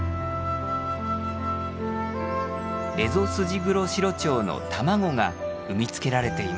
エゾスジグロシロチョウの卵が産みつけられていました。